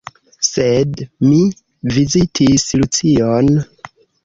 Sed mi vizitis Lucion.